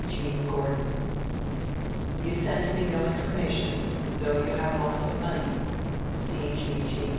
C. G. GORDON. 'You send me no information, though you have lots of money.